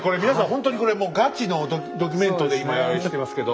ほんとにこれもうガチのドキュメントで今やってますけど。